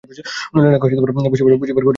নলিনাক্ষ বসিবার ঘরে আসিয়া বসিল।